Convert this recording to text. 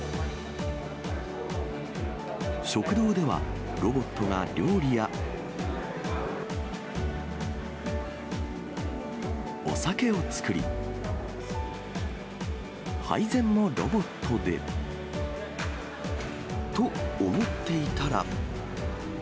食堂では、ロボットが料理や、お酒を作り、配膳もロボットで。と思っていたら。